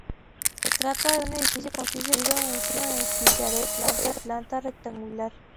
Se trata de un edificio construido en sillarejo de planta rectangular.